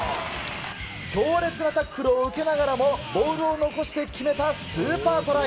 強烈なタックルを受けながらもボールを残して決めたスーパートライ。